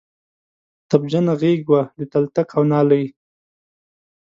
تبجنه غیږ وی د تلتک او نالۍ